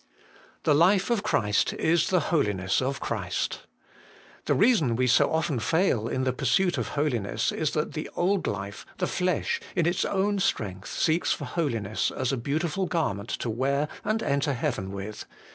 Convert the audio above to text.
3. The life of Christ is the holiness of Christ. The reason we so often fail in the pursuit of holiness Is that the old life, the flesh, in its own strength seeks for holiness as a beautiful garment to wear and enter heaven with.